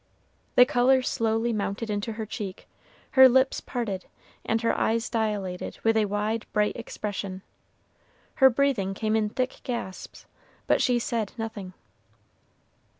The color slowly mounted into her cheek, her lips parted, and her eyes dilated with a wide, bright expression; her breathing came in thick gasps, but she said nothing.